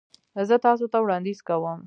زه تاسو ته وړاندیز کوم